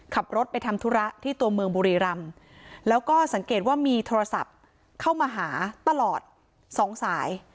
ขับรถไปทำธุระที่ตัวเมืองบุรีรำแล้วก็สังเกตว่ามีโทรศัพท์เข้ามาหาตลอดสองสาย